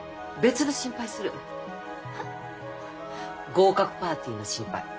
合格パーティーの心配。